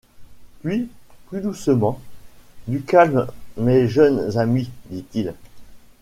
Puis, plus doucement: « Du calme, mes jeunes amis, dit-il.